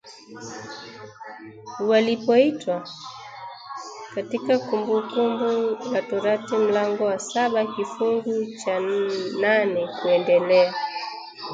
walipoitwa ? Katika Kumbu kumbu la torati mlango wa saba kifungu cha nane kuendelea